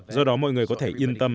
do đó mọi người có thể yên tâm